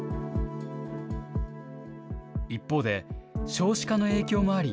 一方で、少子化の影響もあり、